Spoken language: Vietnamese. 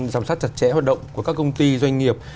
giám sát chặt chẽ hoạt động của các công ty doanh nghiệp